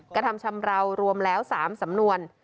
กระทำชำราวรวมแล้ว๓สำนวน